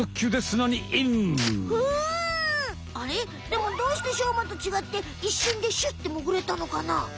でもどうしてしょうまとちがって一瞬でシュってもぐれたのかな？